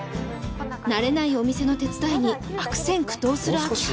慣れないお店の手伝いに悪戦苦闘する明葉